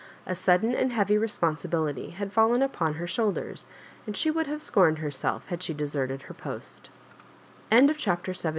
A sudden and heavy responsibility had fallen upon her shoulders, and she would have scorned herself had she deserted her post OHAPTEB XVra.